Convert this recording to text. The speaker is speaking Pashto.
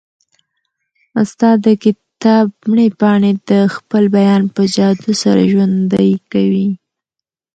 استاد د کتاب مړې پاڼې د خپل بیان په جادو سره ژوندۍ کوي.